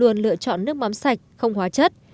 luôn lựa chọn nước mắm sạch không hóa chất